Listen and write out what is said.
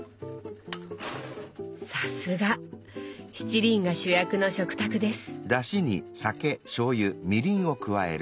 さすが！七輪が主役の食卓です。